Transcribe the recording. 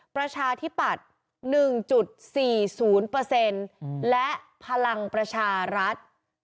ประชาธิปัตย์๑๔๐และพลังประชารัฐ